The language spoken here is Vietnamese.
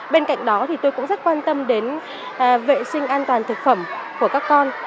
bên cạnh đó thì tôi cũng rất quan tâm đến vệ sinh an toàn thực phẩm của nhà trường